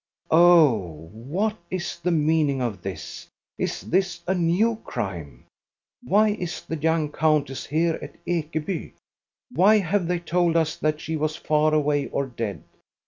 " Oh ! what is the meaning of this } Is this a new crime.? Why is the young countess here at Ekeby? Why have they told us that she was far away or dead.?